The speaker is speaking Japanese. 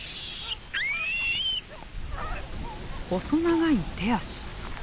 細長い手足。